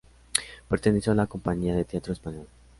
Perteneció a la compañía de Teatro Español.